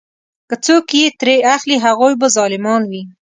که څوک یې ترې اخلي هغوی به ظالمان وي.